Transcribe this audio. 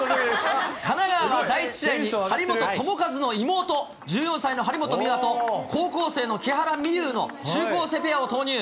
神奈川は第１試合に張本智和の妹、１４歳の張本美和と高校生の木原みゆうの中高生ペアを投入。